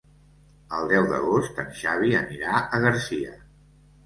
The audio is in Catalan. El deu d'agost en Xavi anirà a Garcia.